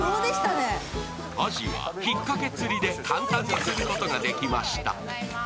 あじはひっかけ釣りで簡単に釣ることができました。